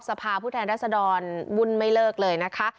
สภาพผู้แทนรัศดรวุ่นไม่เลิกเลยนะคะ